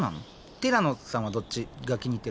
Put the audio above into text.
ティラノさんはどっちが気に入ってるの？